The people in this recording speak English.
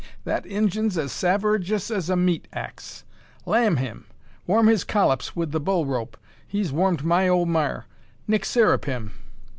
that Injun's as savagerous as a meat axe. Lamm him! Warm his collops wi' the bull rope; he's warmed my old mar. Nick syrup him!"